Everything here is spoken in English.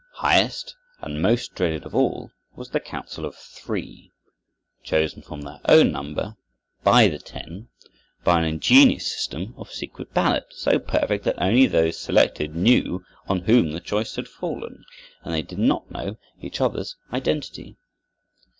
Highest and most dreaded of all was the Council of Three, chosen from their own number by the Ten, by an ingenious system of secret ballot so perfect that only those selected knew on whom the choice had fallen, and they did not know each other's identity.